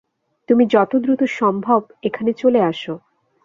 তুমি যতদ্রুত সম্ভব এখানে চলে আসো।